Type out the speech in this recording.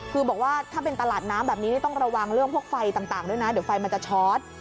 คือบอกว่าถ้าเป็นตลาดน้ำแบบนี้นี่ต้องระวังเรื่องพวกไฟต่างด้วยนะเดี๋ยวไฟมันจะชอต